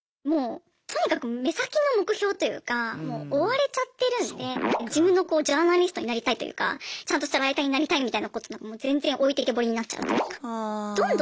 もうとにかく目先の目標というかもう追われちゃってるんで自分のジャーナリストになりたいというかちゃんとしたライターになりたいみたいなことなんかもう全然置いてきぼりになっちゃうというか。